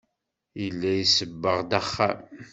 Yella isebbeɣ-d axxam.